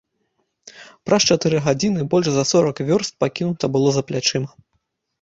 Праз чатыры гадзіны больш за сорак вёрст пакінута было за плячыма.